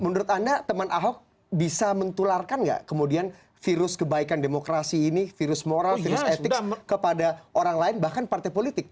menurut anda teman ahok bisa mentularkan nggak kemudian virus kebaikan demokrasi ini virus moral virus etik kepada orang lain bahkan partai politik